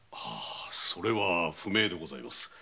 それは不明でございます。